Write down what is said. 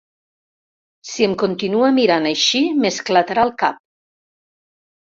Si em continua mirant així m'esclatarà el cap.